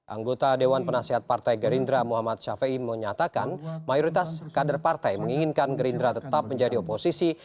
anggota dewan penasehat partai gerindra muhammad syafiei menyatakan mayoritas kader partai menginginkan gerindra tetap menjadi oposisi